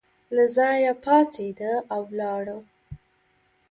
له ځایه پاڅېده او ولاړه.